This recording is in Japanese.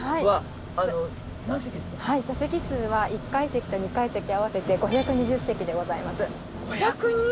はい座席数は１階席と２階席合わせて５２０席でございます。